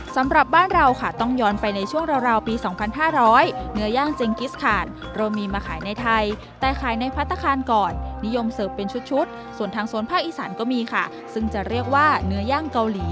สำหรับบ้านเราค่ะต้องย้อนไปในช่วงราวปี๒๕๐๐เนื้อย่างเจงกิสคานเรามีมาขายในไทยแต่ขายในพัฒนาคารก่อนนิยมเสิร์ฟเป็นชุดส่วนทางโซนภาคอีสานก็มีค่ะซึ่งจะเรียกว่าเนื้อย่างเกาหลี